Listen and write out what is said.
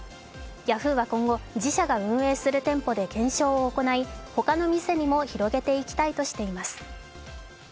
ヤフーは今後、自社が運営する店舗で検証を行い、他の店にも広げていきたいとしています。